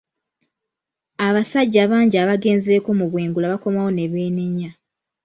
Abasajja bangi abagenzeko mu bwengula bakomawo ne beenenya.